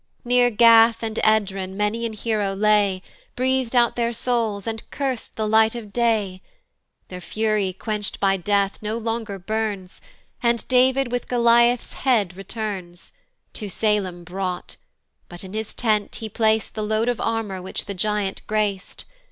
Near Gath and Edron many an hero lay, Breath'd out their souls, and curs'd the light of day: Their fury, quench'd by death, no longer burns, And David with Goliath's head returns, To Salem brought, but in his tent he plac'd The load of armour which the giant grac'd.